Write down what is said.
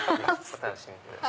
お楽しみください。